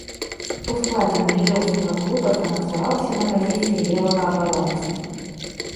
У складзе магілёўскага клуба замацаваўся на пазіцыі левага абаронцы.